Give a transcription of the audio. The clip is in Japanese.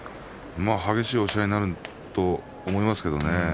激しい押し合いになると思いますけどね。